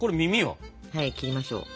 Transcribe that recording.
はい切りましょう。